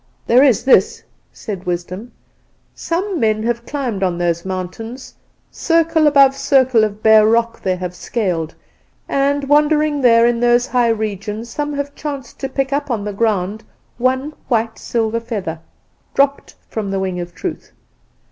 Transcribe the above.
"'There is this,' said Wisdom: 'Some men have climbed on those mountains; circle above circle of bare rock they have scaled; and, wandering there, in those high regions, some have chanced to pick up on the ground one white silver feather, dropped from the wing of Truth.